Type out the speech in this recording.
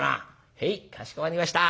「へいかしこまりました。